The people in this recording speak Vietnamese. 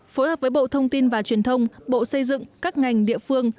phối hợp với bộ thông tin và truyền thông bộ xây dựng các ngành địa phương